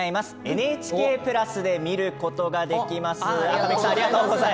ＮＨＫプラスで見ることができます。